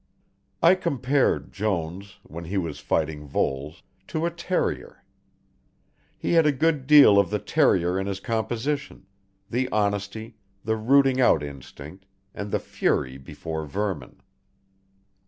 I compared Jones, when he was fighting Voles, to a terrier. He had a good deal of the terrier in his composition, the honesty, the rooting out instinct, and the fury before vermin.